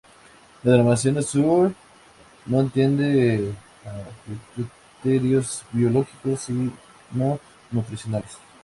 La denominación azul no atiende a criterios biológicos, sino nutricionales.